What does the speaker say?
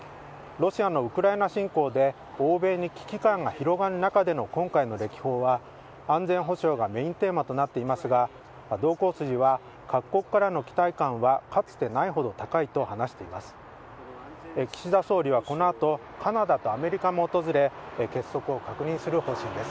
ロシアのウクライナ侵攻で欧米に危機感が広がる中での今回の歴訪は安全保障がメーンテーマとなっていますが同行筋は各国からの期待感はかつてないほど高いと話しています。